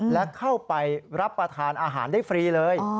และเข้าไปรับประทานอาหารได้ฟรีเลย